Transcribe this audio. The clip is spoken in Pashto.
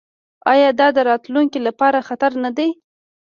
آیا دا د راتلونکي لپاره خطر نه دی؟